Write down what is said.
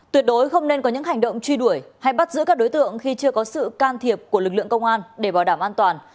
tuyệt đối không nên có những hành động truy đuổi hay bắt giữ các đối tượng khi chưa có sự can thiệp của lực lượng công an để bảo đảm an toàn